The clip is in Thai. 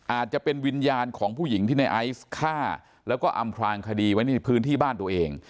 อาจจะเป็นวิญย์ของพวกผู้หญิงที่ในไอศ์ฆ่าและอำควางคดีในพื้นที่บ้านตัวเอง